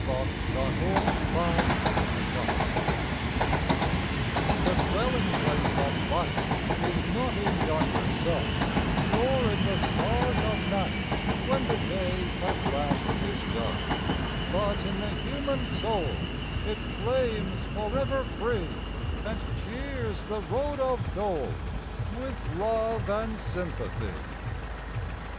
March Second THE DWELLING PLACE HPHE Dwelling place of Light Is not in yonder Sun, Nor in the Stars of night When day at last is done, But in the Human Soul It flames forever free And cheers the Road of Dole With Love and Sympathy.